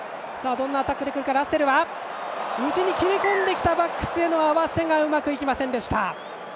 ラッセルは、切り込んできたがしかし、バックスへの合わせがうまくいきませんでした。